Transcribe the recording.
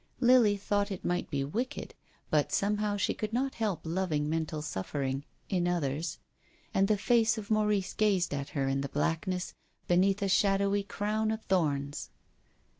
Lily thought it might be wicked, but somehow she could not help loving mental suffering — in others. And the face of Maurice gazed at her in the blackness beneath a shadowy crown of thorns.